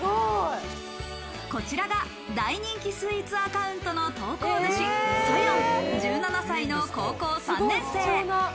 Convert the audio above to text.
こちらが大人気スイーツアカウントの投稿主、Ｓｏｙｏｎ、１７歳の高校３年生。